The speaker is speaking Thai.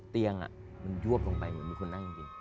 เตียงมันยวบลงไปเหมือนมีคนนั่งจริง